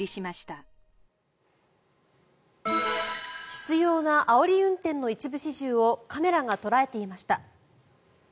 執ようなあおり運転の一部始終をカメラが捉えていました。